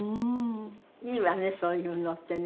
いいわねそういうのってね。